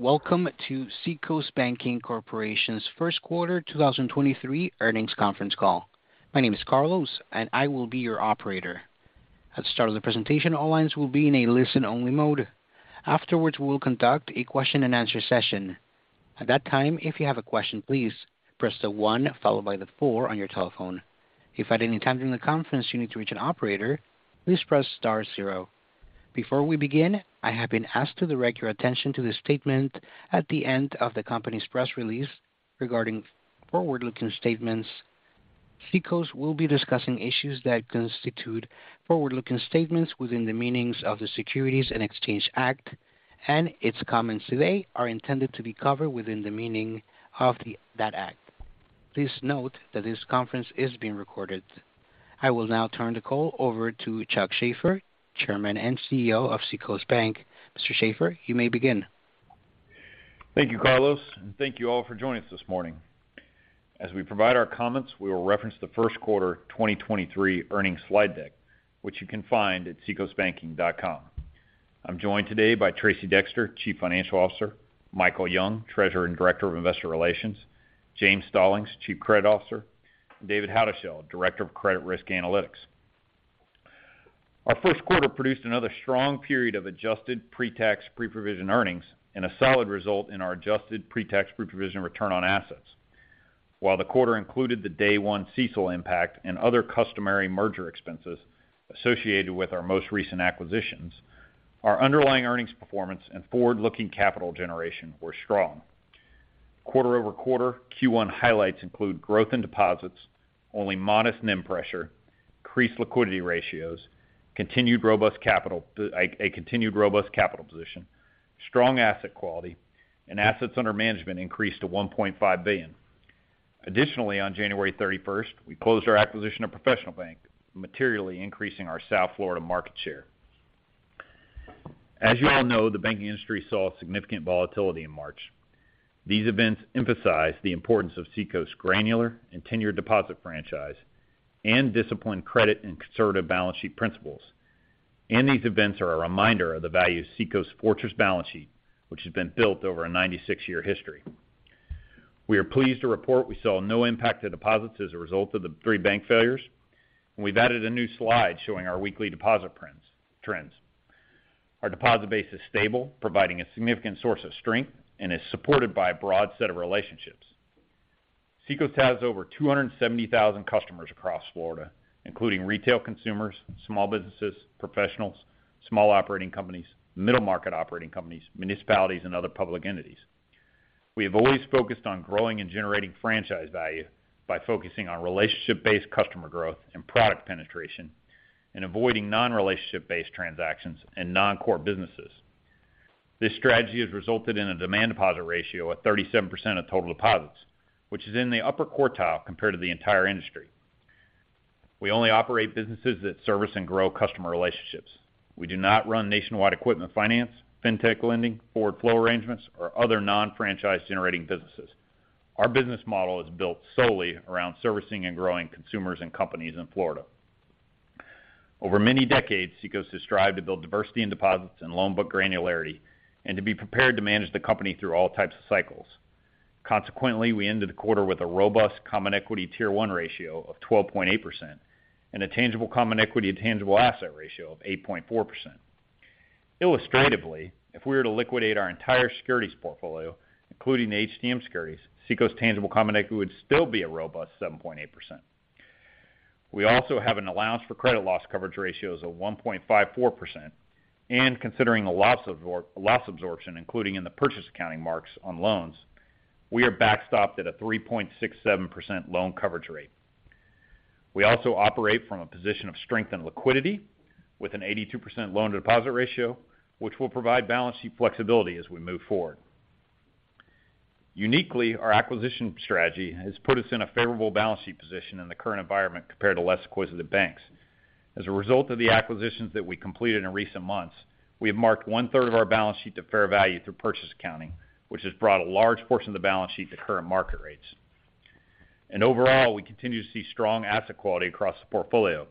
Welcome to Seacoast Banking Corporation's first quarter 2023 earnings conference call. My name is Carlos, and I will be your operator. At the start of the presentation, all lines will be in a listen-only mode. Afterwards, we'll conduct a question-and-answer session. At that time, if you have a question, please Press the one followed by the four on your telephone. If at any time during the conference, you need to reach an operator, please Press Star zero. Before we begin, I have been asked to direct your attention to the statement at the end of the company's press release regarding forward-looking statements. Seacoast will be discussing issues that constitute forward-looking statements within the meanings of the Securities and Exchange Act, and its comments today are intended to be covered within the meaning of that act. Please note that this conference is being recorded. I will now turn the call over to Chuck Shaffer, Chairman and CEO of Seacoast Bank. Mr. Shaffer, you may begin. Thank you, Carlos, and thank you all for joining us this morning. As we provide our comments, we will reference the first quarter 2023 Earnings slide deck, which you can find at seacoastbanking.com. I'm joined today by Tracey Dexter, Chief Financial Officer, Michael Young, Treasurer and Director of Investor Relations, James Stallings, Chief Credit Officer, and David Houdeshell, Director of Credit Risk Analytics. Our first quarter produced another strong period of adjusted pre-tax, pre-provision earnings and a solid result in our adjusted pre-tax, pre-provision return on assets. While the quarter included the day 1 CECL impact and other customary merger expenses associated with our most recent acquisitions, our underlying earnings performance and forward-looking capital generation were strong. Quarter-over-quarter, Q1 highlights include growth in deposits, only modest NIM pressure, increased liquidity ratios, a continued robust capital position, strong asset quality, and assets under management increased to $1.5 billion. On 31st January we closed our acquisition of Professional Bank, materially increasing our South Florida market share. As you all know, the banking industry saw significant volatility in March. These events emphasize the importance of Seacoast granular and tenured deposit franchise and disciplined credit and conservative balance sheet principles. These events are a reminder of the value of Seacoast fortress balance sheet, which has been built over a 96-year history. We are pleased to report we saw no impact to deposits as a result of the three bank failures. We've added a new slide showing our weekly deposit trends. Our deposit base is stable, providing a significant source of strength and is supported by a broad set of relationships. Seacoast has over 270,000 customers across Florida, including retail consumers, small businesses, professionals, small operating companies, middle market operating companies, municipalities, and other public entities. We have always focused on growing and generating franchise value by focusing on relationship-based customer growth and product penetration and avoiding non-relationship-based transactions and non-core businesses. This strategy has resulted in a demand deposit ratio of 37% of total deposits, which is in the upper quartile compared to the entire industry. We only operate businesses that service and grow customer relationships. We do not run nationwide equipment finance, fintech lending, forward flow arrangements, or other non-franchise-generating businesses. Our business model is built solely around servicing and growing consumers and companies in Florida. Over many decades, Seacoast has strived to build diversity in deposits and loan book granularity and to be prepared to manage the company through all types of cycles. Consequently, we ended the quarter with a robust common equity tier one ratio of 12.8% and a tangible common equity and tangible asset ratio of 8.4%. Illustratively, if we were to liquidate our entire securities portfolio, including the HTM securities, Seacoast tangible common equity would still be a robust 7.8%. We also have an allowance for credit loss coverage ratios of 1.54%, and considering a loss absorption, including in the purchase accounting marks on loans, we are backstopped at a 3.67% loan coverage rate. We also operate from a position of strength and liquidity with an 82% loan deposit ratio, which will provide balance sheet flexibility as we move forward. Uniquely, our acquisition strategy has put us in a favorable balance sheet position in the current environment compared to less acquisitive banks. As a result of the acquisitions that we completed in recent months, we have marked one-third of our balance sheet to fair value through purchase accounting, which has brought a large portion of the balance sheet to current market rates. Overall, we continue to see strong asset quality across the portfolio.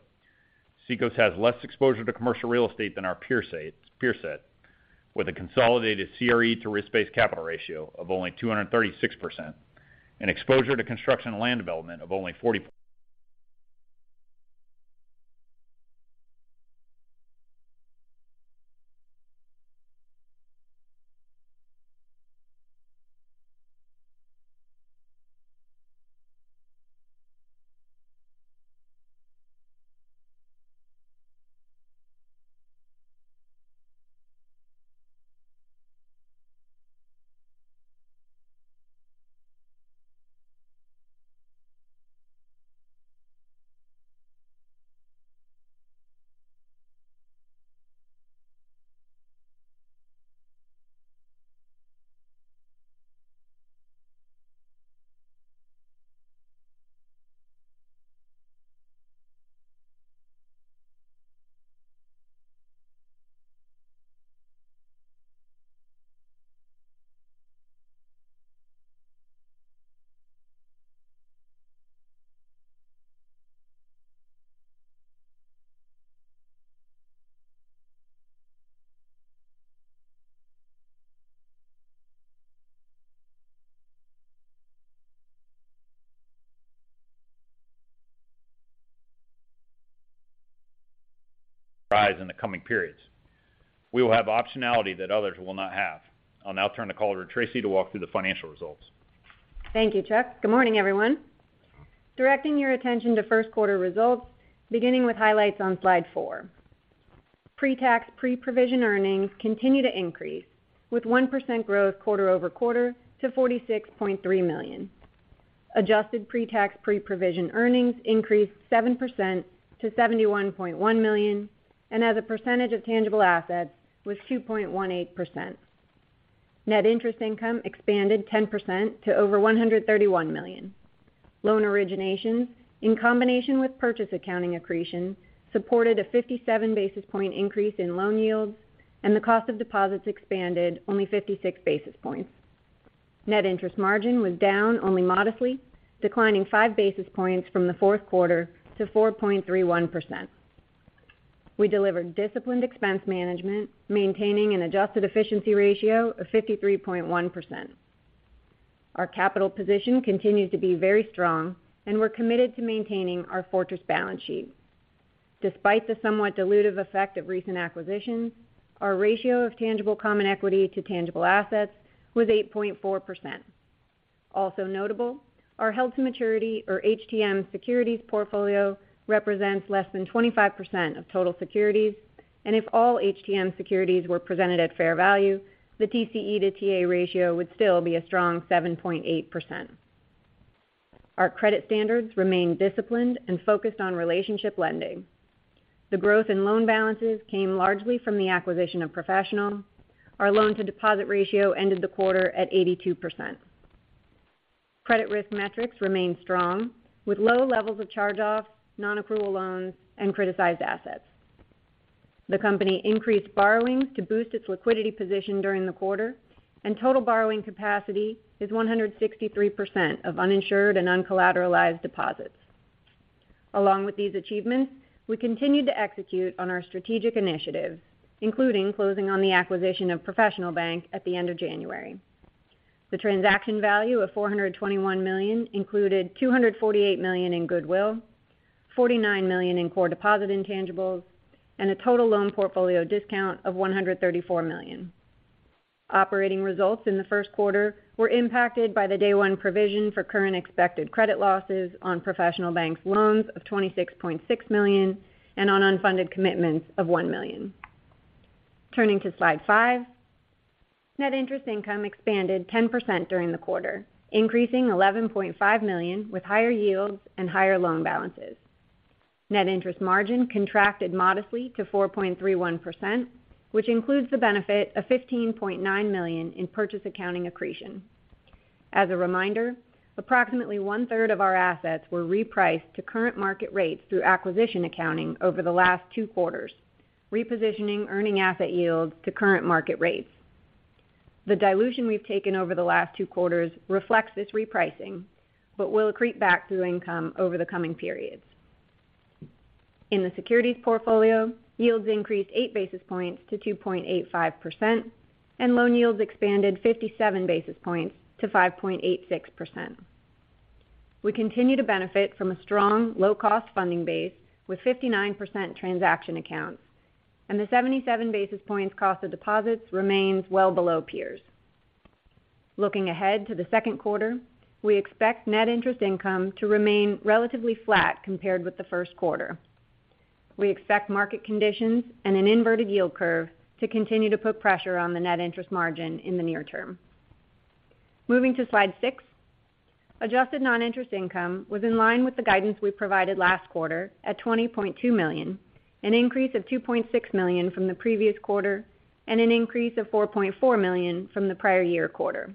Seacoast has less exposure to commercial real estate than our peer set, with a consolidated CRE to risk-based capital ratio of only 236% and exposure to construction and land development of only forty-Rise in the coming periods. We will have optionality that others will not have. I'll now turn the call to Tracey to walk through the financial results. Thank you, Chuck. Good morning, everyone. Directing your attention to first quarter results, beginning with highlights on slide four. Pre-tax, pre-provision earnings continue to increase, with 1% growth quarter-over-quarter to $46.3 million. Adjusted pre-tax, pre-provision earnings increased 7% to $71.1 million, and as a percentage of tangible assets was 2.18%. Net interest income expanded 10% to over $131 million. Loan originations, in combination with purchase accounting accretion, supported a 57 basis point increase in loan yields, and the cost of deposits expanded only 56 basis points. Net interest margin was down only modestly, declining five basis points from the fourth quarter to 4.31%. We delivered disciplined expense management, maintaining an adjusted efficiency ratio of 53.1%. Our capital position continues to be very strong, and we're committed to maintaining our fortress balance sheet. Despite the somewhat dilutive effect of recent acquisitions, our ratio of tangible common equity to tangible assets was 8.4%. Also notable, our held-to-maturity, or HTM securities portfolio represents less than 25% of total securities, and if all HTM securities were presented at fair value, the TCE to TA ratio would still be a strong 7.8%. Our credit standards remain disciplined and focused on relationship lending. The growth in loan balances came largely from the acquisition of Professional. Our loan to deposit ratio ended the quarter at 82%. Credit risk metrics remain strong with low levels of charge-offs, non-accrual loans, and criticized assets. The company increased borrowings to boost its liquidity position during the quarter. Total borrowing capacity is 163 of uninsured and uncollateralized deposits. Along with these achievements, we continued to execute on our strategic initiatives, including closing on the acquisition of Professional Bank at the end of January. The transaction value of $421 million included $248 million in goodwill, $49 million in core deposit intangibles, and a total loan portfolio discount of $134 million. Operating results in the first quarter were impacted by the day one provision for current expected credit losses on Professional Bank's loans of $26.6 million and on unfunded commitments of $1 million. Turning to slide five. Net interest income expanded 10% during the quarter, increasing $11.5 million with higher yields and higher loan balances. Net interest margin contracted modestly to 4.31%, which includes the benefit of $15.9 million in purchase accounting accretion. As a reminder, approximately one-third of our assets were repriced to current market rates through acquisition accounting over the last two quarters, repositioning earning asset yields to current market rates. The dilution we've taken over the last two quarters reflects this repricing, but will accrete back through income over the coming periods. In the securities portfolio, yields increased eight basis points to 2.85%, and loan yields expanded 57 basis points to 5.86%. We continue to benefit from a strong low-cost funding base with 59% transaction accounts, and the 77 basis points cost of deposits remains well below peers. Looking ahead to the second quarter, we expect net interest income to remain relatively flat compared with the first quarter. We expect market conditions and an inverted yield curve to continue to put pressure on the net interest margin in the near term. Moving to slide six. Adjusted non-interest income was in line with the guidance we provided last quarter at $20.2 million, an increase of $2.6 million from the previous quarter, and an increase of $4.4 million from the prior year quarter.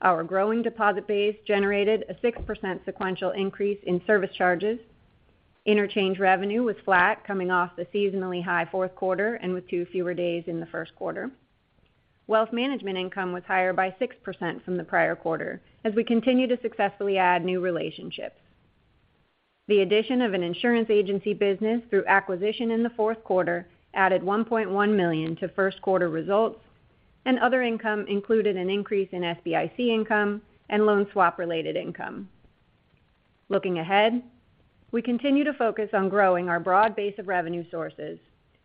Our growing deposit base generated a 6% sequential increase in service charges. Interchange revenue was flat coming off the seasonally high fourth quarter and with two fewer days in the first quarter. Wealth management income was higher by 6% from the prior quarter as we continue to successfully add new relationships. The addition of an insurance agency business through acquisition in the fourth quarter added $1.1 million to first quarter results. Other income included an increase in SBIC income and loan swap related income. Looking ahead, we continue to focus on growing our broad base of revenue sources.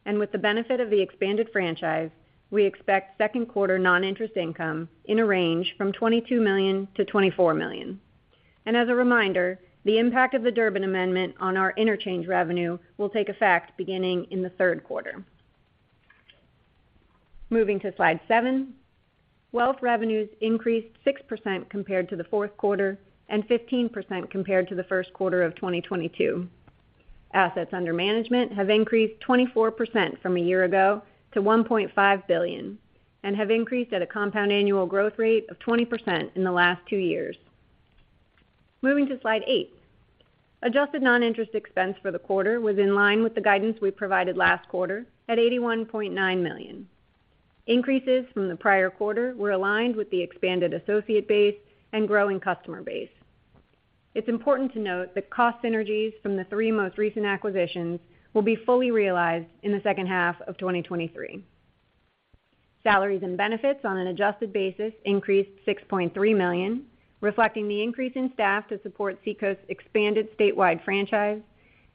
With the benefit of the expanded franchise, we expect second quarter non-interest income in a range from $22 million-$24 million. As a reminder, the impact of the Durbin Amendment on our interchange revenue will take effect beginning in the third quarter. Moving to slide seven. Wealth revenues increased 6% compared to the fourth quarter and 15% compared to the first quarter of 2022. Assets under management have increased 24% from a year ago to $1.5 billion and have increased at a compound annual growth rate of 20% in the last two years. Moving to slide eight. Adjusted non-interest expense for the quarter was in line with the guidance we provided last quarter at $81.9 million. Increases from the prior quarter were aligned with the expanded associate base and growing customer base. It's important to note that cost synergies from the three most recent acquisitions will be fully realized in the second half of 2023. Salaries and benefits on an adjusted basis increased $6.3 million, reflecting the increase in staff to support Seacoast's expanded statewide franchise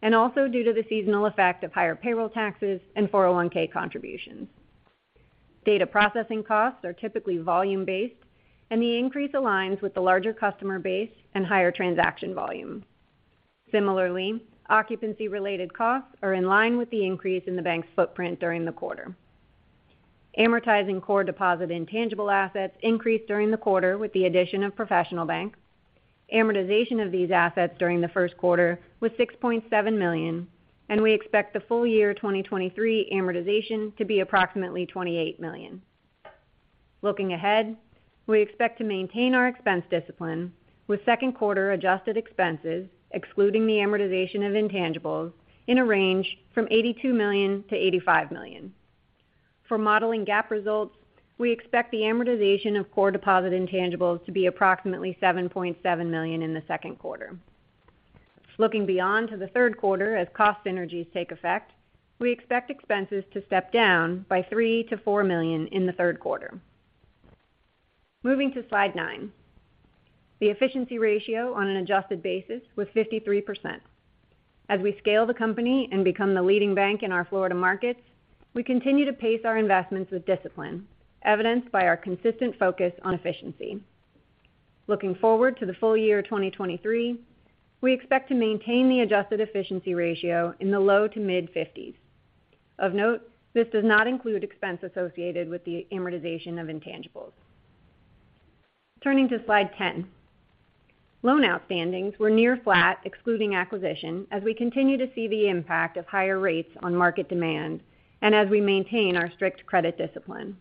and also due to the seasonal effect of higher payroll taxes and 401(k) contributions. Data processing costs are typically volume-based, and the increase aligns with the larger customer base and higher transaction volume. Similarly, occupancy-related costs are in line with the increase in the bank's footprint during the quarter. Amortizing core deposit intangible assets increased during the quarter with the addition of Professional Bank. Amortization of these assets during the first quarter was $6.7 million, and we expect the full year 2023 amortization to be approximately $28 million. Looking ahead, we expect to maintain our expense discipline with second quarter adjusted expenses, excluding the amortization of intangibles, in a range from $82 million-$85 million. For modeling GAAP results, we expect the amortization of core deposit intangibles to be approximately $7.7 million in the second quarter. Looking beyond to the third quarter as cost synergies take effect, we expect expenses to step down by $3 million-$4 million in the third quarter. Moving to Slide nine. The efficiency ratio on an adjusted basis was 53%. As we scale the company and become the leading bank in our Florida markets, we continue to pace our investments with discipline, evidenced by our consistent focus on efficiency. Looking forward to the full year 2023, we expect to maintain the adjusted efficiency ratio in the low to mid-50s. Of note, this does not include expense associated with the amortization of intangibles. Turning to Slide 10. Loan outstandings were near flat, excluding acquisition, as we continue to see the impact of higher rates on market demand and as we maintain our strict credit discipline.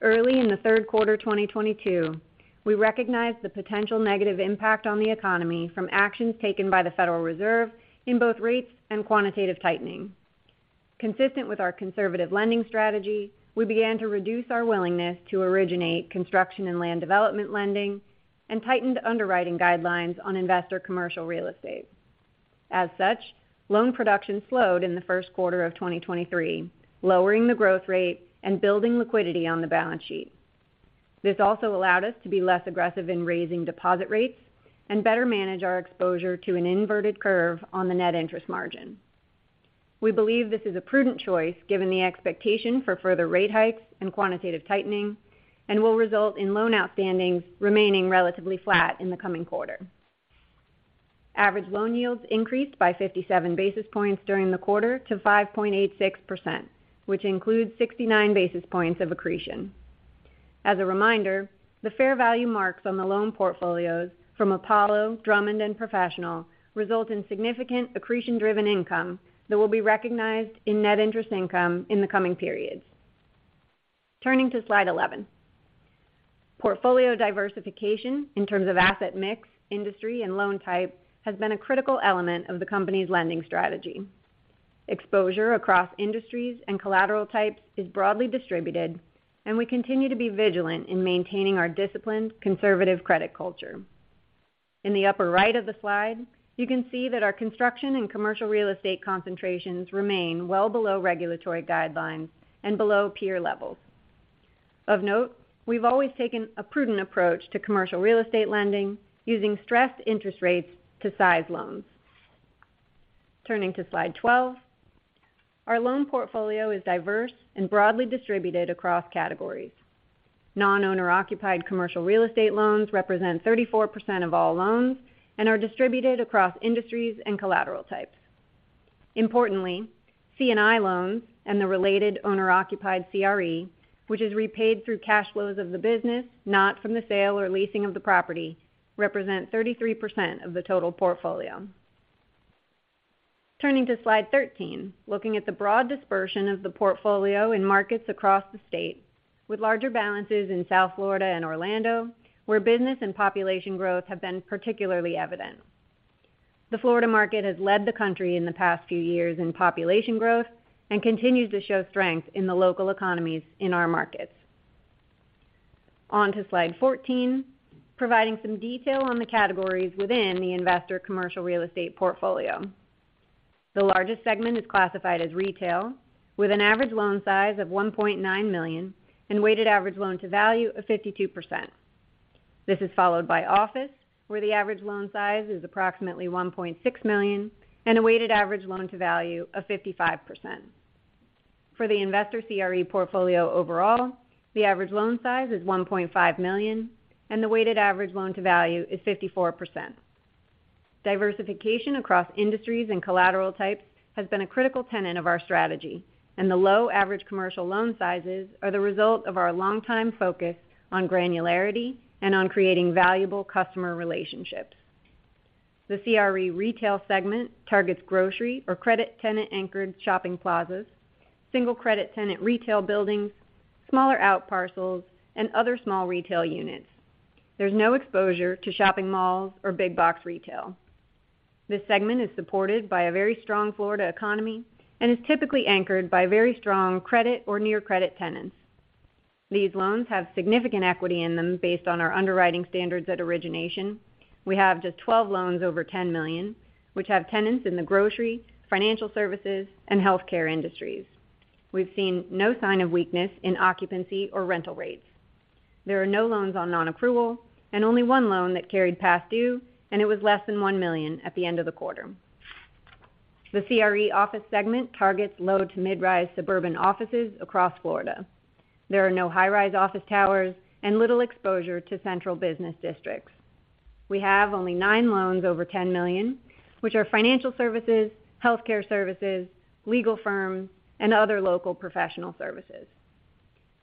Early in the third quarter 2022, we recognized the potential negative impact on the economy from actions taken by the Federal Reserve in both rates and quantitative tightening. Consistent with our conservative lending strategy, we began to reduce our willingness to originate construction and land development lending and tightened underwriting guidelines on investor commercial real estate. As such, loan production slowed in the first quarter of 2023, lowering the growth rate and building liquidity on the balance sheet. This also allowed us to be less aggressive in raising deposit rates and better manage our exposure to an inverted curve on the net interest margin. We believe this is a prudent choice given the expectation for further rate hikes and quantitative tightening and will result in loan outstandings remaining relatively flat in the coming quarter. Average loan yields increased by 57 basis points during the quarter to 5.86%, which includes 69 basis points of accretion. As a reminder, the fair value marks on the loan portfolios from Apollo, Drummond, and Professional result in significant accretion-driven income that will be recognized in net interest income in the coming periods. Turning to Slide 11. Portfolio diversification in terms of asset mix, industry, and loan type has been a critical element of the company's lending strategy. Exposure across industries and collateral types is broadly distributed, and we continue to be vigilant in maintaining our disciplined, conservative credit culture. In the upper right of the slide, you can see that our construction and commercial real estate concentrations remain well below regulatory guidelines and below peer levels. Of note, we've always taken a prudent approach to commercial real estate lending using stressed interest rates to size loans. Turning to Slide 12. Our loan portfolio is diverse and broadly distributed across categories. Non-owner-occupied commercial real estate loans represent 34% of all loans and are distributed across industries and collateral types. Importantly, C&I loans and the related owner-occupied CRE, which is repaid through cash flows of the business, not from the sale or leasing of the property, represent 33% of the total portfolio. Turning to Slide 13. Looking at the broad dispersion of the portfolio in markets across the state, with larger balances in South Florida and Orlando, where business and population growth have been particularly evident. The Florida market has led the country in the past few years in population growth and continues to show strength in the local economies in our markets. On to Slide 14, providing some detail on the categories within the investor commercial real estate portfolio. The largest segment is classified as retail, with an average loan size of $1.9 million and weighted average loan-to-value of 52%. This is followed by office, where the average loan size is approximately $1.6 million and a weighted average loan-to-value of 55%. For the investor CRE portfolio overall, the average loan size is $1.5 million, and the weighted average loan-to-value is 54%. Diversification across industries and collateral types has been a critical tenet of our strategy, and the low average commercial loan sizes are the result of our longtime focus on granularity and on creating valuable customer relationships. The CRE retail segment targets grocery or credit tenant-anchored shopping plazas, single credit tenant retail buildings, smaller outparcels, and other small retail units. There's no exposure to shopping malls or big box retail. This segment is supported by a very strong Florida economy and is typically anchored by very strong credit or near credit tenants. These loans have significant equity in them based on our underwriting standards at origination. We have just 12 loans over $10 million, which have tenants in the grocery, financial services, and healthcare industries. We've seen no sign of weakness in occupancy or rental rates. There are no loans on non-accrual and only 1 loan that carried past due, and it was less than $1 million at the end of the quarter. The CRE office segment targets low to mid-rise suburban offices across Florida. There are no high-rise office towers and little exposure to central business districts. We have only nine loans over $10 million, which are financial services, healthcare services, legal firms, and other local professional services.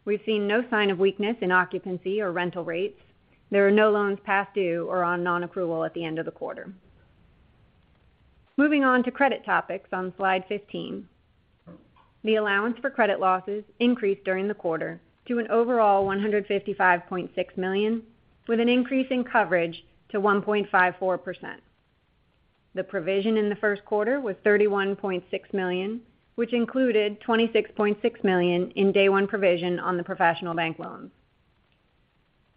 We've seen no sign of weakness in occupancy or rental rates. There are no loans past due or on non-approval at the end of the quarter. Moving on to credit topics on slide 15. The allowance for credit losses increased during the quarter to an overall $155.6 million, with an increase in coverage to 1.54%. The provision in the first quarter was $31.6 million, which included $26.6 million in day one provision on the Professional Bank loans.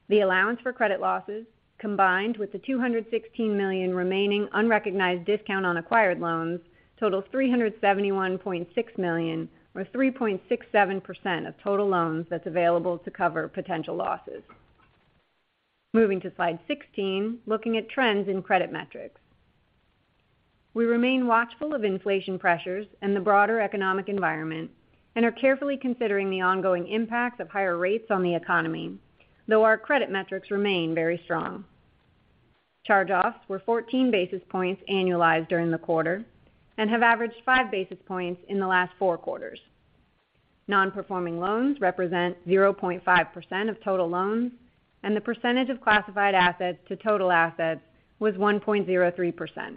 The allowance for credit losses, combined with the $216 million remaining unrecognized discount on acquired loans, totals $371.6 million, or 3.67% of total loans that's available to cover potential losses. Moving to slide 16, looking at trends in credit metrics. We remain watchful of inflation pressures and the broader economic environment and are carefully considering the ongoing impacts of higher rates on the economy, though our credit metrics remain very strong. Charge-offs were 14 basis points annualized during the quarter and have averaged five basis points in the last four quarters. Non-performing loans represent 0.5% of total loans, and the percentage of classified assets to total assets was 1.03%.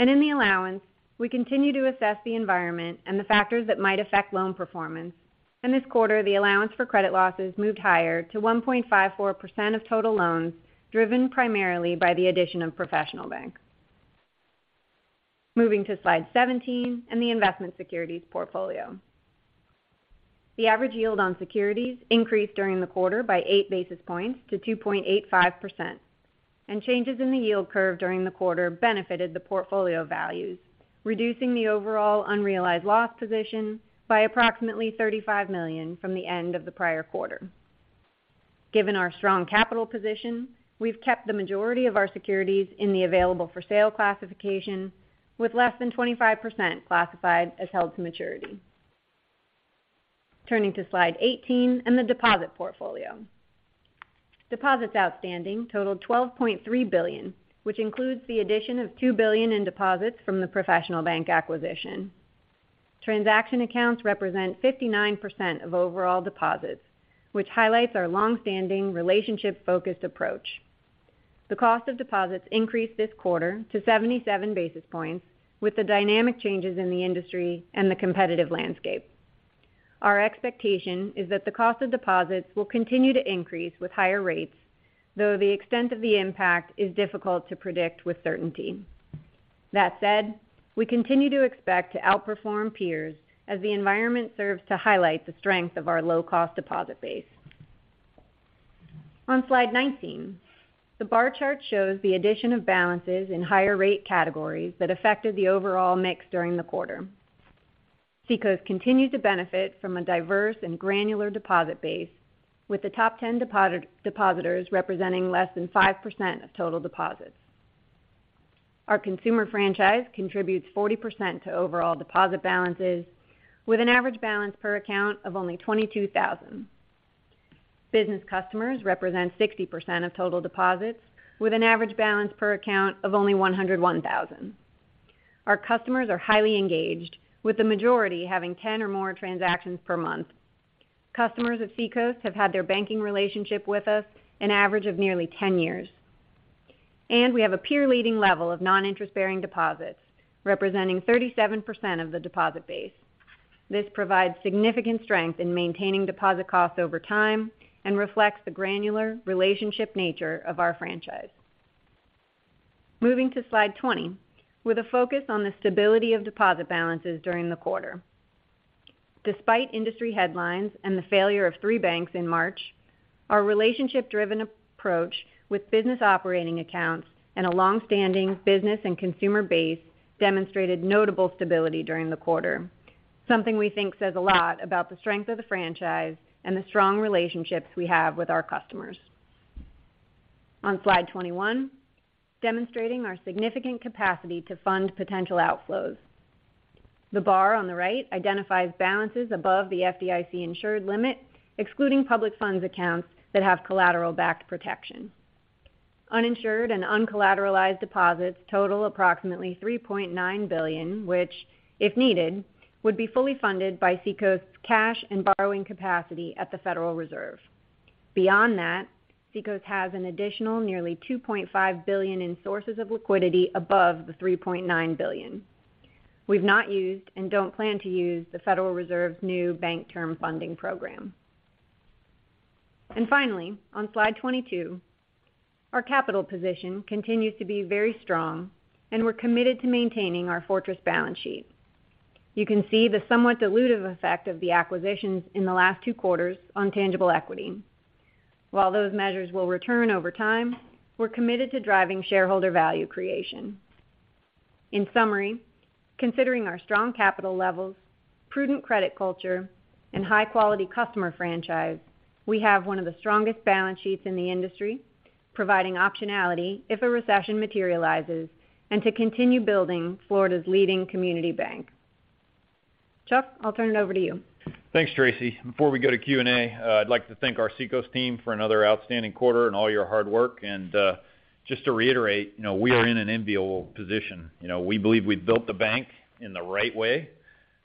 In the allowance, we continue to assess the environment and the factors that might affect loan performance. In this quarter, the allowance for credit losses moved higher to 1.54% of total loans, driven primarily by the addition of Professional Bank. Moving to slide 17 and the investment securities portfolio. The average yield on securities increased during the quarter by eight basis points to 2.85%. Changes in the yield curve during the quarter benefited the portfolio values, reducing the overall unrealized loss position by approximately $35 million from the end of the prior quarter. Given our strong capital position, we've kept the majority of our securities in the available for sale classification with less than 25% classified as held to maturity. Turning to slide 18 and the deposit portfolio. Deposits outstanding totaled $12.3 billion, which includes the addition of $2 billion in deposits from the Professional Bank acquisition. Transaction accounts represent 59% of overall deposits, which highlights our long-standing relationship focused approach. The cost of deposits increased this quarter to 77 basis points with the dynamic changes in the industry and the competitive landscape. Our expectation is that the cost of deposits will continue to increase with higher rates, though the extent of the impact is difficult to predict with certainty. That said, we continue to expect to outperform peers as the environment serves to highlight the strength of our low-cost deposit base. On slide 19, the bar chart shows the addition of balances in higher rate categories that affected the overall mix during the quarter. Seacoast continued to benefit from a diverse and granular deposit base, with the top 10 depositors representing less than 5% of total deposits. Our consumer franchise contributes 40% to overall deposit balances with an average balance per account of only $22,000. Business customers represent 60% of total deposits, with an average balance per account of only $101,000. Our customers are highly engaged, with the majority having 10 or more transactions per month. Customers at Seacoast have had their banking relationship with us an average of nearly 10 years, and we have a peer-leading level of non-interest-bearing deposits representing 37% of the deposit base. This provides significant strength in maintaining deposit costs over time and reflects the granular relationship nature of our franchise. Moving to slide 20, with a focus on the stability of deposit balances during the quarter. Despite industry headlines and the failure of three banks in March, our relationship-driven approach with business operating accounts and a long-standing business and consumer base demonstrated notable stability during the quarter, something we think says a lot about the strength of the franchise and the strong relationships we have with our customers. On slide 21, demonstrating our significant capacity to fund potential outflows. The bar on the right identifies balances above the FDIC insured limit, excluding public funds accounts that have collateral-backed protection. Uninsured and uncollateralized deposits total approximately $3.9 billion, which, if needed, would be fully funded by Seacoast's cash and borrowing capacity at the Federal Reserve. Beyond that, Seacoast has an additional nearly $2.5 billion in sources of liquidity above the $3.9 billion. We've not used and don't plan to use the Federal Reserve's new Bank Term Funding Program. Finally, on slide 22, our capital position continues to be very strong, and we're committed to maintaining our fortress balance sheet. You can see the somewhat dilutive effect of the acquisitions in the last two quarters on tangible equity. While those measures will return over time, we're committed to driving shareholder value creation. In summary, considering our strong capital levels, prudent credit culture, and high-quality customer franchise, we have one of the strongest balance sheets in the industry, providing optionality if a recession materializes and to continue building Florida's leading community bank. Chuck, I'll turn it over to you. Thanks, Tracy. Before we go to Q&A, I'd like to thank our Seacoast team for another outstanding quarter and all your hard work. Just to reiterate, you know, we are in an enviable position. You know, we believe we've built the bank in the right way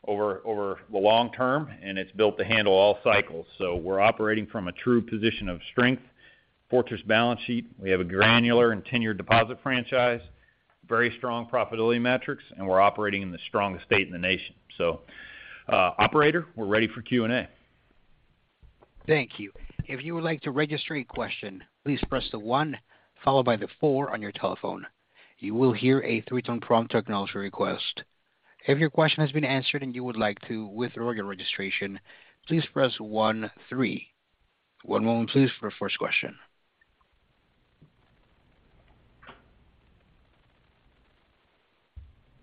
over the long term, and it's built to handle all cycles. We're operating from a true position of strength. Fortress balance sheet. We have a granular and tenured deposit franchise, very strong profitability metrics, and we're operating in the strongest state in the nation. Operator, we're ready for Q&A. Thank you. If you would like to register a question, please press the one followed by the four on your telephone. You will hear a three tone prompt acknowledging your request. If your question has been answered and you would like to withdraw your registration, please press one, three. One moment please for our first question.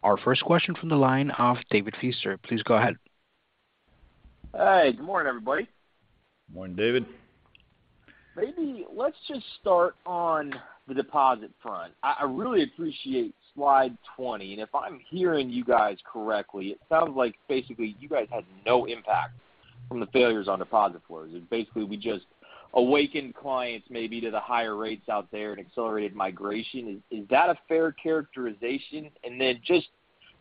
Our first question from the line of David Feaster. Please go ahead. Hi. Good morning, everybody. Morning, David. Maybe let's just start on the deposit front. I really appreciate slide 20. If I'm hearing you guys correctly, it sounds like basically you guys had no impact from the failures on deposit flows. Basically we just awakened clients maybe to the higher rates out there and accelerated migration. Is that a fair characterization? Just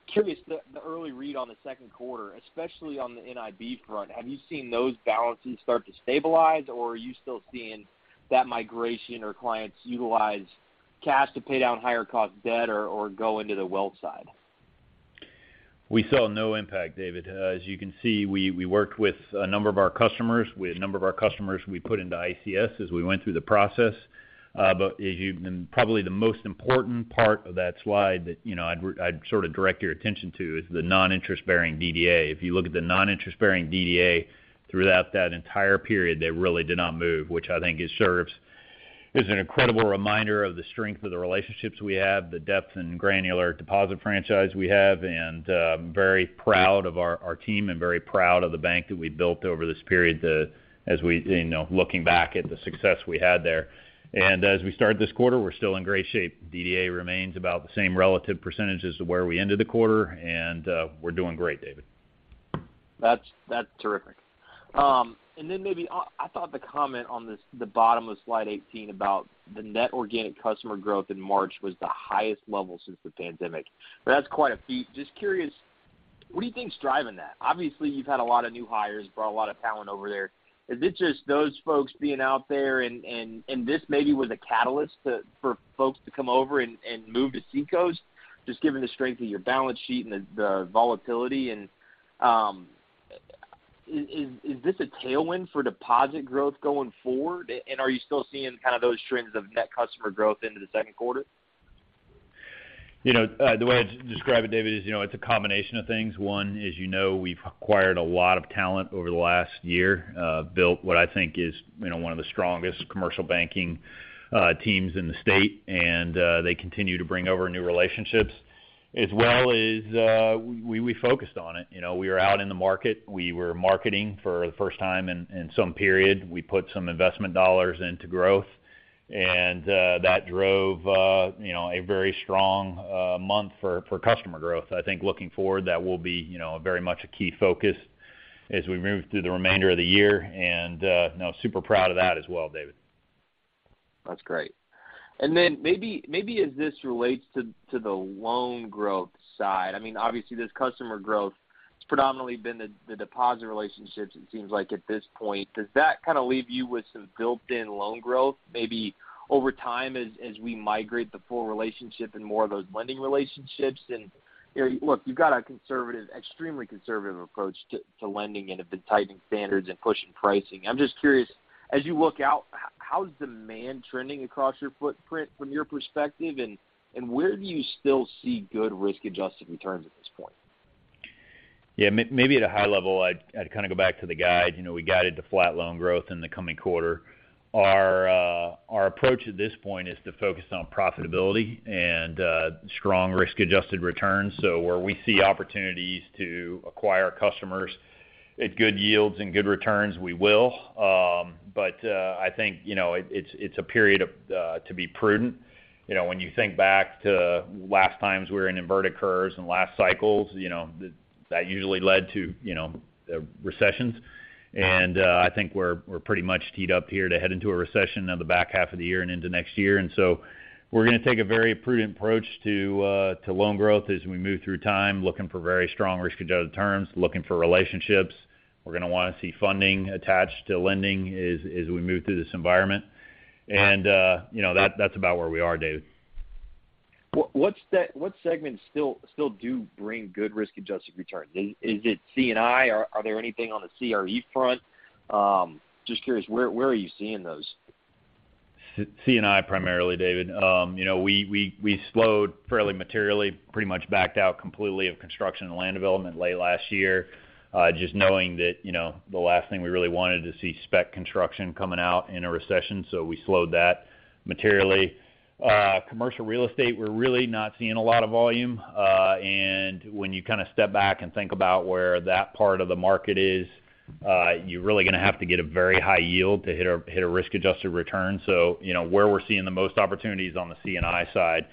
curious, the early read on the second quarter, especially on the NIB front, have you seen those balances start to stabilize, or are you still seeing that migration or clients utilize cash to pay down higher cost debt or go into the wealth side? We saw no impact, David. As you can see, we worked with a number of our customers. We had a number of our customers we put into ICS as we went through the process. Probably the most important part of that slide that, you know, I'd sort of direct your attention to is the non-interest-bearing DDA. If you look at the non-interest-bearing DDA throughout that entire period, they really did not move, which I think it serves as an incredible reminder of the strength of the relationships we have, the depth and granular deposit franchise we have. Very proud of our team and very proud of the bank that we built over this period, as we, you know, looking back at the success we had there. As we start this quarter, we're still in great shape. DDA remains about the same relative percentage as to where we ended the quarter, and we're doing great, David. That's terrific. Then maybe I thought the comment on this, the bottom of slide 18 about the net organic customer growth in March was the highest level since the pandemic. That's quite a feat. Just curious, what do you think is driving that? Obviously, you've had a lot of new hires, brought a lot of talent over there. Is it just those folks being out there and this maybe was a catalyst for folks to come over and move to Seacoast, just given the strength of your balance sheet and the volatility? Is this a tailwind for deposit growth going forward? Are you still seeing kind of those trends of net customer growth into the Second Quarter? You know, the way I'd describe it, David, is, you know, it's a combination of things. One, as you know, we've acquired a lot of talent over the last year, built what I think is, you know, one of the strongest commercial banking teams in the state, and they continue to bring over new relationships. As well as, we focused on it. You know, we are out in the market. We were marketing for the first time in some period. We put some investment dollars into growth, and that drove, you know, a very strong month for customer growth. I think looking forward, that will be, you know, very much a key focus as we move through the remainder of the year. You know, super proud of that as well, David. That's great. Then maybe as this relates to the loan growth side, I mean, obviously, this customer growth, it's predominantly been the deposit relationships, it seems like at this point. Does that kinda leave you with some built-in loan growth, maybe over time as we migrate the full relationship and more of those lending relationships? You know, look, you've got a conservative, extremely conservative approach to lending and have been tightening standards and pushing pricing. I'm just curious, as you look out, how's demand trending across your footprint from your perspective, and where do you still see good risk-adjusted returns at this point? Yeah, maybe at a high level, I'd kind of go back to the guide. You know, we guided to flat loan growth in the coming quarter. Our approach at this point is to focus on profitability and strong risk-adjusted returns. Where we see opportunities to acquire customers at good yields and good returns, we will. I think, you know, it's a period to be prudent. You know, when you think back to last times we were in inverted curves and last cycles, you know, that usually led to, you know, recessions. I think we're pretty much teed up here to head into a recession in the back half of the year and into next year. We're gonna take a very prudent approach to loan growth as we move through time, looking for very strong risk-adjusted terms, looking for relationships. We're gonna wanna see funding attached to lending as we move through this environment. You know, that's about where we are, David. What segments still do bring good risk-adjusted returns? Is it C&I? Are there anything on the CRE front? Just curious, where are you seeing those? C&I primarily, David. You know, we slowed fairly materially, pretty much backed out completely of construction and land development late last year, just knowing that, you know, the last thing we really wanted to see spec construction coming out in a recession, we slowed that materially. Commercial real estate, we're really not seeing a lot of volume. When you kind of step back and think about where that part of the market is, you're really gonna have to get a very high yield to hit a risk-adjusted return. You know, where we're seeing the most opportunities on the C&I side.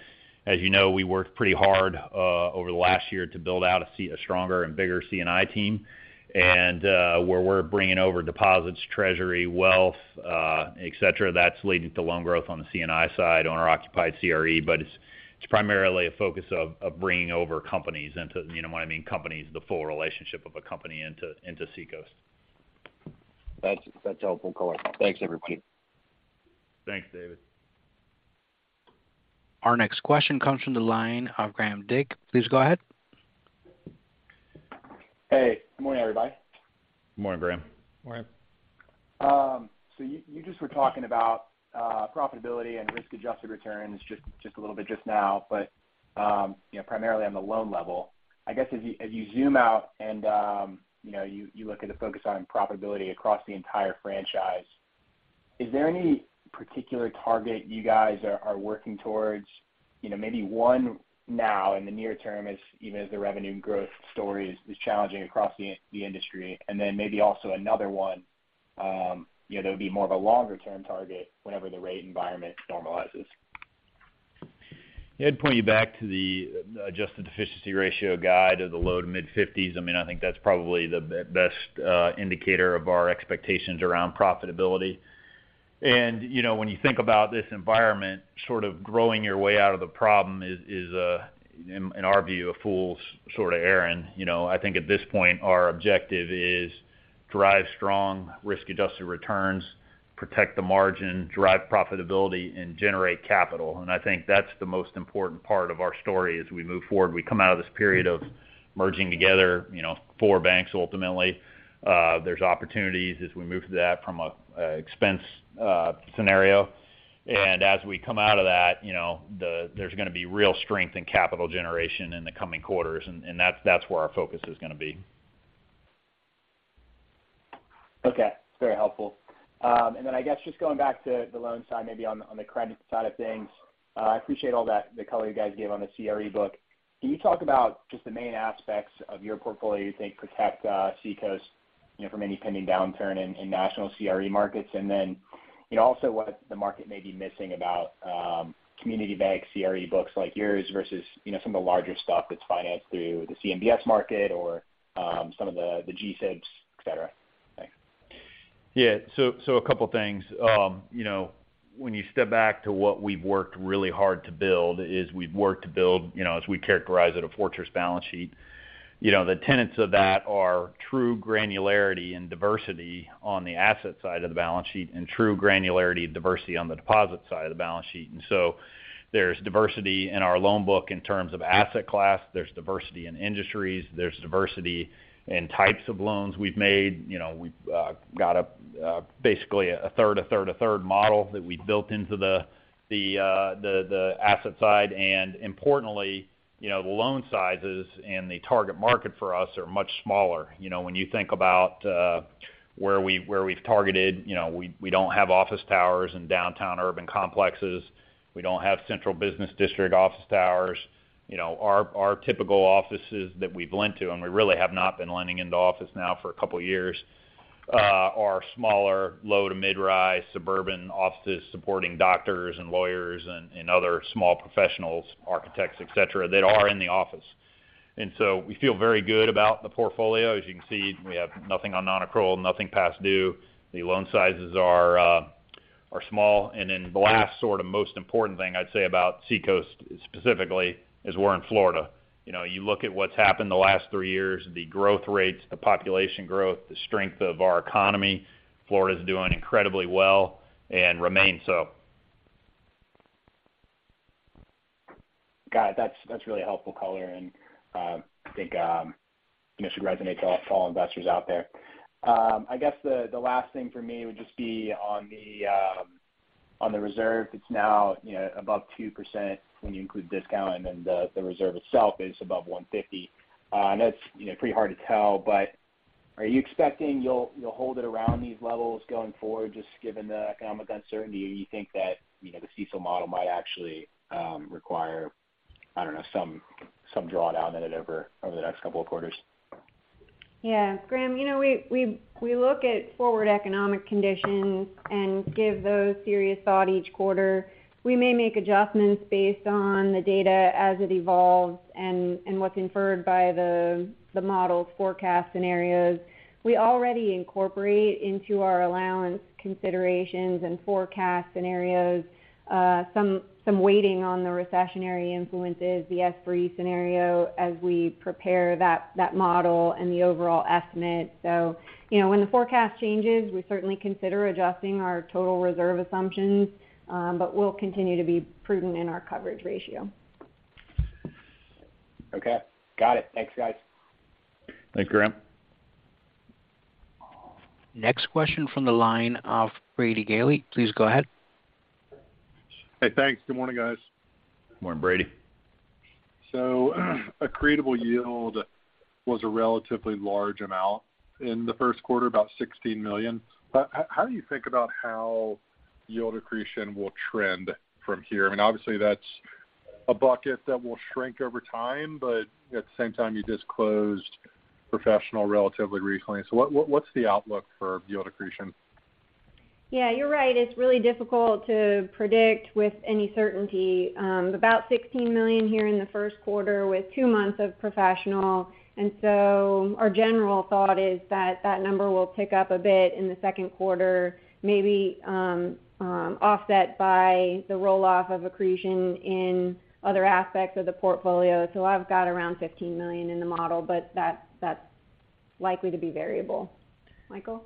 As you know, we worked pretty hard over the last year to build out a stronger and bigger C&I team. Where we're bringing over deposits, treasury, wealth, et cetera, that's leading to loan growth on the C&I side, owner-occupied CRE. It's primarily a focus of bringing over companies You know what I mean, companies, the full relationship of a company into Seacoast. That's helpful color. Thanks, everybody. Thanks, David. Our next question comes from the line of Graham Dycke. Please go ahead. Hey, good morning, everybody. Morning, Graham. Morning. You just were talking about profitability and risk-adjusted returns just a little bit just now, but, you know, primarily on the loan level. I guess as you zoom out and, you know, you look at the focus on profitability across the entire franchise, is there any particular target you guys are working towards, you know, maybe one now in the near term as even as the revenue growth story is challenging across the industry, and then maybe also another one, you know, that would be more of a longer-term target whenever the rate environment normalizes? Yeah. I'd point you back to the adjusted efficiency ratio guide of the low to mid 50s. I mean, I think that's probably the best indicator of our expectations around profitability. You know, when you think about this environment, sort of growing your way out of the problem is a, in our view, a fool's sort of errand. You know, I think at this point, our objective is drive strong risk-adjusted returns, protect the margin, drive profitability, and generate capital. I think that's the most important part of our story as we move forward. We come out of this period of merging together, you know, four banks ultimately. There's opportunities as we move through that from a expense scenario. As we come out of that, you know, there's gonna be real strength in capital generation in the coming quarters, and that's where our focus is gonna be. Okay. That's very helpful. I guess just going back to the loan side, maybe on the credit side of things, I appreciate all that, the color you guys gave on the CRE book. Can you talk about just the main aspects of your portfolio you think protect Seacoast, you know, from any pending downturn in national CRE markets? You know, also what the market may be missing about community bank CRE books like yours versus, you know, some of the larger stuff that's financed through the CMBS market or some of the G-SIBs, et cetera. Thanks. Yeah. A couple things. You know, when you step back to what we've worked really hard to build is we've worked to build, you know, as we characterize it, a fortress balance sheet. You know, the tenets of that are true granularity and diversity on the asset side of the balance sheet and true granularity and diversity on the deposit side of the balance sheet. There's diversity in our loan book in terms of asset class. There's diversity in industries. There's diversity in types of loans we've made. You know, we've got a basically a third, a third, a third model that we built into the asset side. Importantly, you know, the loan sizes and the target market for us are much smaller. You know, when you think about, where we've targeted, you know, we don't have office towers in downtown urban complexes. We don't have central business district office towers. You know, our typical offices that we've lent to, and we really have not been lending into office now for a couple years, are smaller, low- to mid-rise suburban offices supporting doctors and lawyers and other small professionals, architects, et cetera, that are in the office. We feel very good about the portfolio. As you can see, we have nothing on nonaccrual, nothing past due. The loan sizes are small. The last sort of most important thing I'd say about Seacoast specifically is we're in Florida. You know, you look at what's happened the last three years, the growth rates, the population growth, the strength of our economy, Florida's doing incredibly well and remains so. Got it. That's really helpful color, and I think, you know, should resonate to all investors out there. I guess the last thing for me would just be on the reserve. It's now, you know, above 2% when you include discount, and then the reserve itself is above 1.50%. I know it's, you know, pretty hard to tell, but are you expecting you'll hold it around these levels going forward just given the economic uncertainty? You think that, you know, the CECL model might actually require, I don't know, some drawdown in it over the next couple of quarters? Yeah. Graham, you know, we look at forward economic conditions and give those serious thought each quarter. We may make adjustments based on the data as it evolves and what's inferred by the model's forecast scenarios. We already incorporate into our allowance considerations and forecast scenarios, some weighting on the recessionary influences, the S3 scenario, as we prepare that model and the overall estimate. You know, when the forecast changes, we certainly consider adjusting our total reserve assumptions, but we'll continue to be prudent in our coverage ratio. Okay. Got it. Thanks, guys. Thanks, Graham. Next question from the line of Brady Gailey, please go ahead. Hey, thanks. Good morning, guys. Morning, Brady. Accretable yield was a relatively large amount in the first quarter, about $16 million. How do you think about how yield accretion will trend from here? I mean, obviously, that's a bucket that will shrink over time, but at the same time, you disclosed Professional relatively recently. What, what's the outlook for yield accretion? Yeah, you're right. It's really difficult to predict with any certainty. About $16 million here in the first quarter with two months of Professional. Our general thought is that that number will pick up a bit in the second quarter, maybe, offset by the roll-off of accretion in other aspects of the portfolio. I've got around $15 million in the model, but that's likely to be variable. Michael?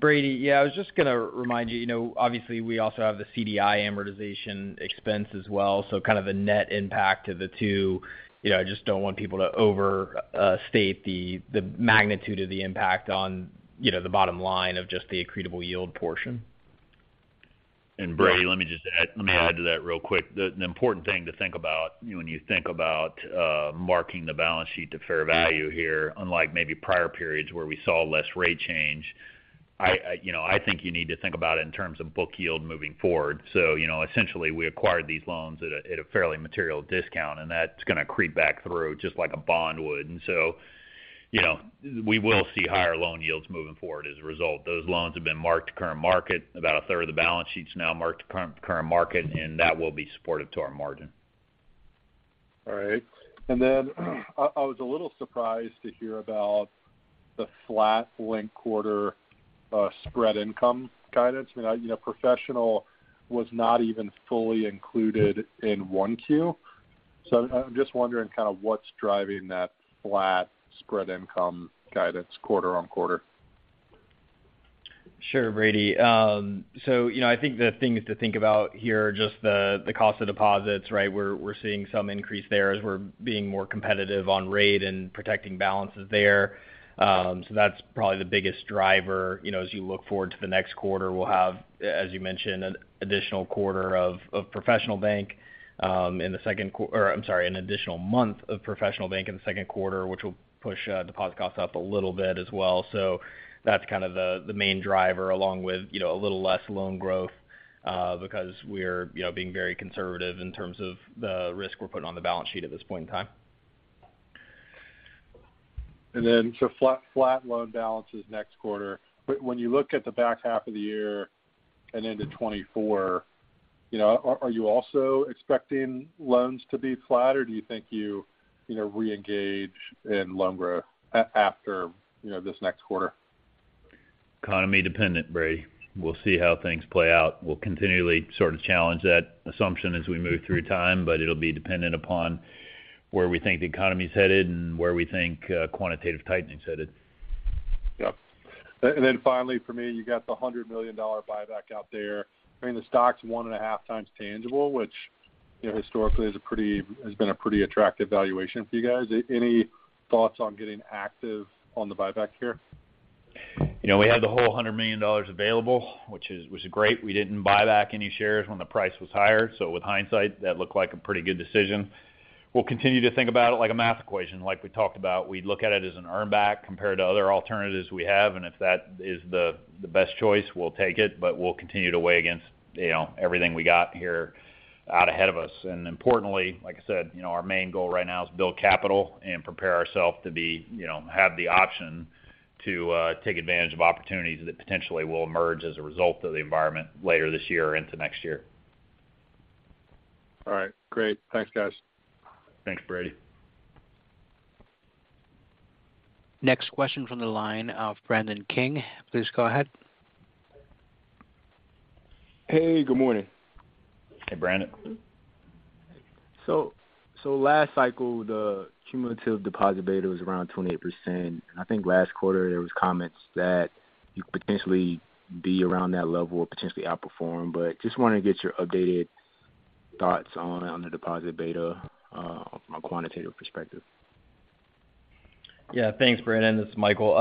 Brady, yeah, I was just gonna remind you know, obviously, we also have the CDI amortization expense as well, so kind of a net impact to the two. You know, I just don't want people to overstate the magnitude of the impact on, you know, the bottom line of just the accretable yield portion. Brady, let me just add to that real quick. The important thing to think about when you think about marking the balance sheet to fair value here, unlike maybe prior periods where we saw less rate change, you know, I think you need to think about it in terms of book yield moving forward. You know, essentially, we acquired these loans at a fairly material discount, and that's going to creep back through just like a bond would. You know, we will see higher loan yields moving forward as a result. Those loans have been marked to current market. About a third of the balance sheet's now marked to current market, and that will be supportive to our margin. All right. Then I was a little surprised to hear about the flat linked quarter, spread income guidance. I mean, you know, Professional was not even fully included in 1Q. I'm just wondering kind of what's driving that flat spread income guidance quarter on quarter. Sure, Brady. you know, I think the things to think about here are just the cost of deposits, right? We're seeing some increase there as we're being more competitive on rate and protecting balances there. That's probably the biggest driver. You know, as you look forward to the next quarter, we'll have, as you mentioned, an additional quarter of Professional Bank in the second or I'm sorry, an additional month of Professional Bank in the second quarter, which will push deposit costs up a little bit as well. That's kind of the main driver along with, you know, a little less loan growth, because we're, you know, being very conservative in terms of the risk we're putting on the balance sheet at this point in time. Flat loan balance is next quarter. When you look at the back half of the year and into 2024, you know, are you also expecting loans to be flat, or do you think you know, reengage in loan growth after, you know, this next quarter? Economy dependent, Brady. We'll see how things play out. We'll continually sort of challenge that assumption as we move through time, but it'll be dependent upon where we think the economy is headed and where we think quantitative tightening's headed. Yep. Then finally for me, you got the $100 million buyback out there. I mean, the stock's 1.5x tangible, which, you know, historically is a pretty attractive valuation for you guys. Any thoughts on getting active on the buyback here? You know, we had the whole $100 million available, which is great. We didn't buy back any shares when the price was higher. With hindsight, that looked like a pretty good decision. We'll continue to think about it like a math equation. Like we talked about, we look at it as an earn back compared to other alternatives we have, and if that is the best choice, we'll take it. We'll continue to weigh against, you know, everything we got here out ahead of us. Importantly, like I said, you know, our main goal right now is build capital and prepare ourselves to be have the option to take advantage of opportunities that potentially will emerge as a result of the environment later this year or into next year. All right. Great. Thanks, guys. Thanks, Brady. Next question from the line of Brandon King. Please go ahead. Hey, good morning. Hey, Brandon. Last cycle, the cumulative deposit beta was around 28%. I think last quarter there was comments that you potentially be around that level or potentially outperform. Just wanna get your updated thoughts on the deposit beta from a quantitative perspective. Yeah. Thanks, Brandon. It's Michael.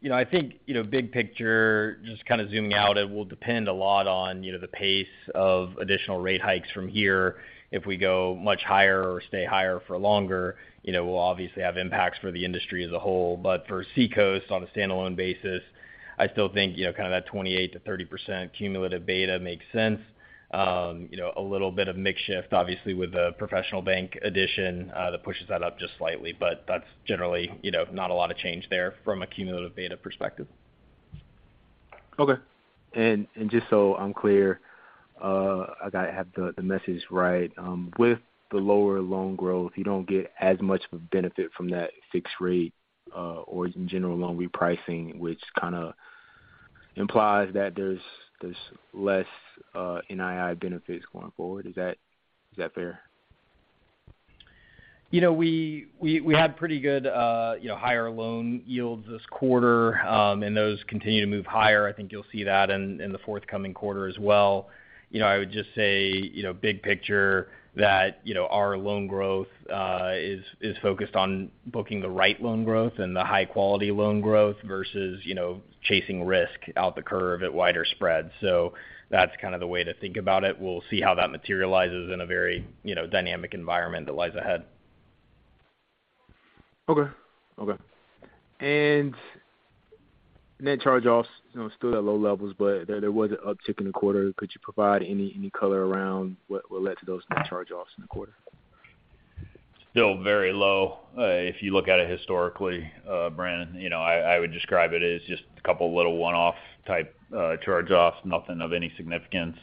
You know, I think, you know, big picture, just kinda zooming out, it will depend a lot on, you know, the pace of additional rate hikes from here. If we go much higher or stay higher for longer, you know, we'll obviously have impacts for the industry as a whole. For Seacoast on a standalone basis, I still think, you know, kind of that 28%-30% cumulative beta makes sense. You know, a little bit of mix shift, obviously, with the Professional Bank addition, that pushes that up just slightly. That's generally, you know, not a lot of change there from a cumulative beta perspective. Okay. Just so I'm clear, I gotta have the message right. With the lower loan growth, you don't get as much of a benefit from that fixed rate, or in general loan repricing, which kind of implies that there's less NII benefits going forward. Is that fair? You know, we had pretty good, you know, higher loan yields this quarter, and those continue to move higher. I think you'll see that in the forthcoming quarter as well. You know, I would just say, you know, big picture that, you know, our loan growth is focused on booking the right loan growth and the high-quality loan growth versus, you know, chasing risk out the curve at wider spreads. That's kind of the way to think about it. We'll see how that materializes in a very, you know, dynamic environment that lies ahead. Okay. Okay. Net charge-offs, you know, still at low levels, but there was an uptick in the quarter. Could you provide any color around what led to those net charge-offs in the quarter? Still very low. If you look at it historically, Brandon, you know, I would describe it as just a couple little one-off type, charge-offs, nothing of any significance.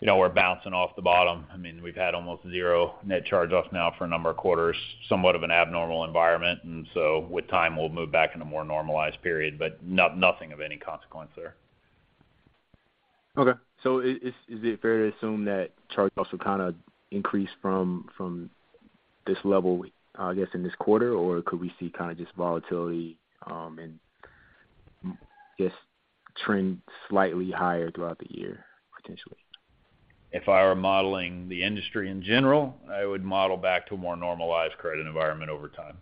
You know, we're bouncing off the bottom. I mean, we've had almost 0 net charge-offs now for a number of quarters, somewhat of an abnormal environment. With time, we'll move back into more normalized period, but nothing of any consequence there. Okay. Is it fair to assume that charge-offs will kind of increase from this level, I guess, in this quarter? Could we see kinda just volatility and just trend slightly higher throughout the year, potentially? If I were modeling the industry in general, I would model back to a more normalized credit environment over time.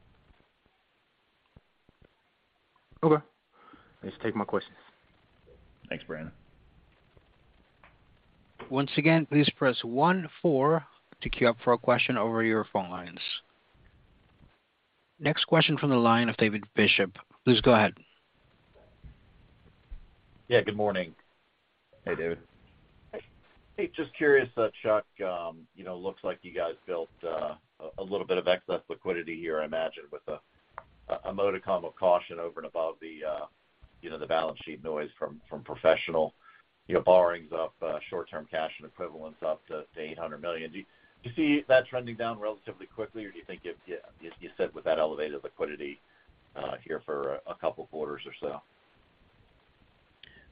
Okay. That's it, take more questions. Thanks, Brandon. Once again, please press one, four to queue up for a question over your phone lines. Next question from the line of David Bishop. Please go ahead. Yeah, good morning. Hey, David. Hey. Just curious, Chuck, you know, looks like you guys built a little bit of excess liquidity here, I imagine, with a modicum of caution over and above the, you know, the balance sheet noise from Professional, you know, borrowings up, short-term cash and equivalents up to $800 million. Do you see that trending down relatively quickly, or do you think you sit with that elevated liquidity here for a couple of quarters or so?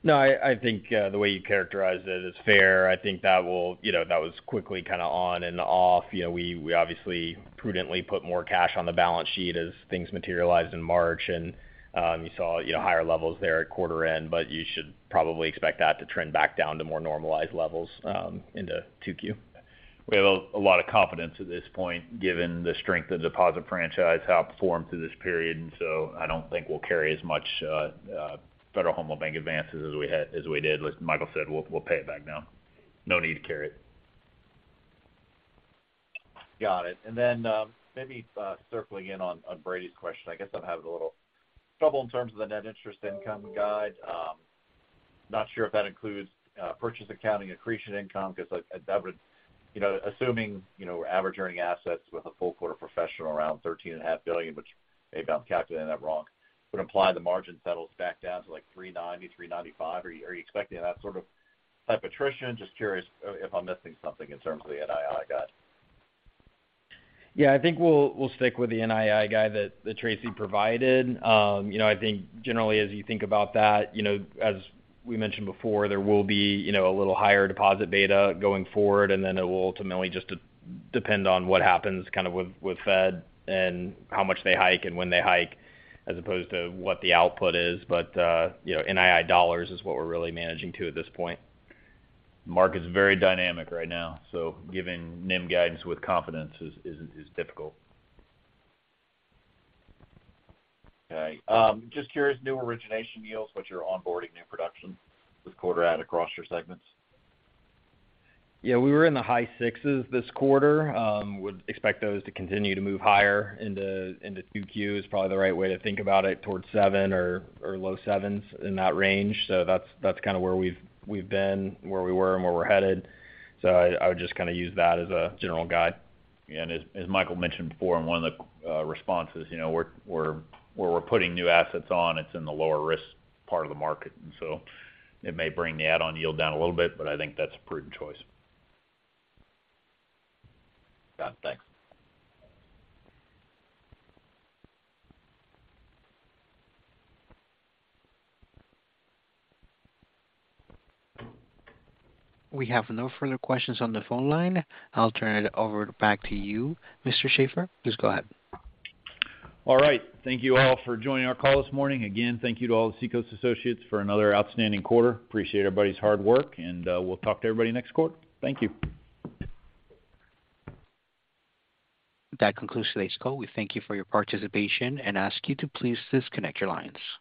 No, I think the way you characterized it is fair. I think that, you know, that was quickly kinda on and off. You know, we obviously prudently put more cash on the balance sheet as things materialized in March. You saw, you know, higher levels there at quarter end, but you should probably expect that to trend back down to more normalized levels into 2Q. We have a lot of confidence at this point, given the strength of the deposit franchise, how it performed through this period. I don't think we'll carry as much Federal Home Loan Bank advances as we did. As Michael said, we'll pay it back now. No need to carry it. Got it. Maybe circling in on Brady's question. I guess I'm having a little trouble in terms of the net interest income guide. Not sure if that includes purchase accounting accretion income, because like that would, you know, assuming average-earning assets with a full quarter Professional Bank around $13.5 billion, which maybe I'm calculating that wrong, would imply the margin settles back down to, like, 3.90%, 3.95%. Are you expecting that sort of type attrition? Just curious if I'm missing something in terms of the NII guide. Yeah. I think we'll stick with the NII guide that Tracey provided. You know, I think generally as you think about that, you know, as we mentioned before, there will be, you know, a little higher deposit beta going forward, and then it will ultimately just depend on what happens kind of with Fed and how much they hike and when they hike as opposed to what the output is. You know, NII dollars is what we're really managing to at this point. Market's very dynamic right now, giving NIM guidance with confidence is difficult. Okay. Just curious, new origination yields, which are onboarding new production this quarter add across your segments? Yeah. We were in the high sixes this quarter. Would expect those to continue to move higher into two Q is probably the right way to think about it, towards seven or low sevens, in that range. That's kinda where we've been, where we were, and where we're headed. I would just kinda use that as a general guide. as Michael mentioned before in one of the responses, you know, where we're putting new assets on, it's in the lower-risk part of the market. it may bring the add-on yield down a little bit, but I think that's a prudent choice. Got it. Thanks. We have no further questions on the phone line. I'll turn it over back to you, Mr. Shaffer. Please go ahead. All right. Thank you all for joining our call this morning. Again, thank you to all the Seacoast associates for another outstanding quarter. Appreciate everybody's hard work and, we'll talk to everybody next quarter. Thank you. That concludes today's call. We thank you for your participation and ask you to please disconnect your lines.